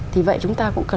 thì vậy chúng ta cũng cần